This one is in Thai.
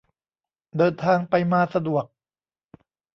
เดินทางไปมาสะดวก